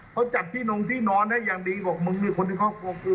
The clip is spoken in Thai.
เขาจัดที่นอนให้อย่างดีบอกมึงมีคนที่เขากลัวคือ